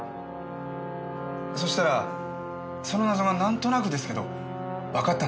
そしたらその謎がなんとなくですけどわかったんです。